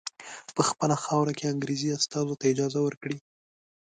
په خپله خاوره کې انګریزي استازو ته اجازه ورکړي.